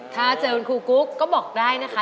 ถ้าเจอคุณครูกุ๊กก็บอกได้นะคะ